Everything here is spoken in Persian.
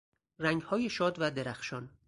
رنگهای شاد و درخشان